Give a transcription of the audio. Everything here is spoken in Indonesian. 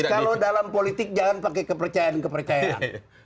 kalau dalam politik jangan pakai kepercayaan kepercayaan